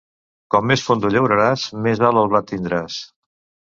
Com més fondo llauraràs, més alt el blat tindràs.